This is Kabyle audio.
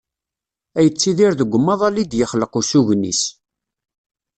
Ad yettidir deg umaḍal i d-yexleq usugen-is.